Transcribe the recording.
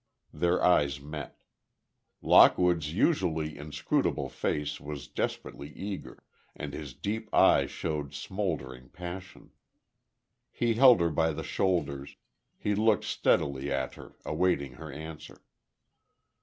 Their eyes met. Lockwood's usually inscrutable face was desperately eager, and his deep eyes showed smouldering passion. He held her by the shoulders, he looked steadily at her, awaiting her answer.